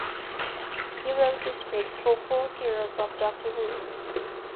He wrote the scripts for four serials of "Doctor Who".